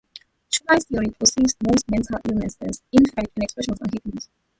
Choice theory posits most mental illness is, in fact, an expression of unhappiness.